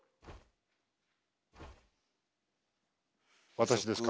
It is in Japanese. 私ですか？